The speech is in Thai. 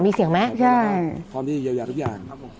มีเสียงไหมใช่ไหมครับพร้อมที่จะเยียวยาทุกอย่าง